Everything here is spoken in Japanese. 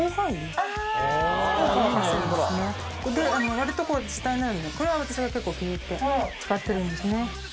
わりと時短になるんでこれは私が結構気に入って使ってるんですね。